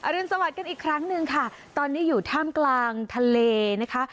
รุนสวัสดิ์กันอีกครั้งหนึ่งค่ะตอนนี้อยู่ท่ามกลางทะเลนะคะ